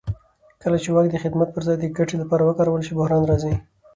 کله چې واک د خدمت پر ځای د ګټې لپاره وکارول شي بحران راځي